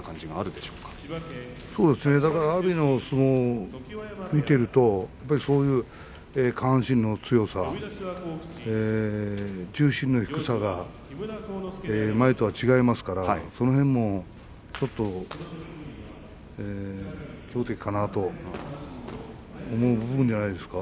だから阿炎の相撲を見ていると、下半身の強さ重心の低さが前とは違いますからその辺もちょっと強敵かなと思う部分じゃないですか？